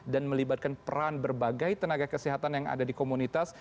dan melibatkan peran berbagai tenaga kesehatan yang ada di komunitas